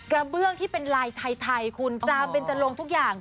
เบื้องที่เป็นลายไทยคุณจามเบนจรงทุกอย่าง